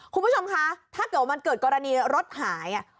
คุณผู้ชมคะถ้าเกิดมันเกิดกรณีรถหาย